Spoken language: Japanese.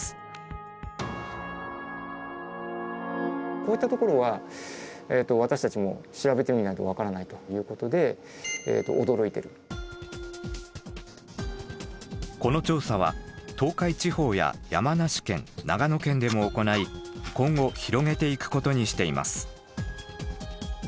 こういったところは私たちもこの調査は東海地方や山梨県長野県でも行い今後広げていくことにしています。